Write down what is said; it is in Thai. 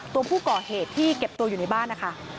ตัวผู้ก่อเหตุที่เก็บตัวอยู่ในบ้านนะคะ